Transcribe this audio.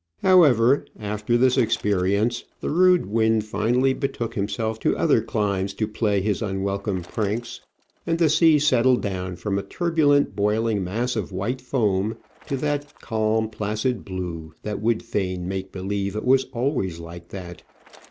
However, after this experience, the rude wind finally betook himself to other climes to play his unwelcome pranks, and the sea settled down from a turbulent, boiling mass of white foam to that calm, placid blue, that would fain make believe it was always like that.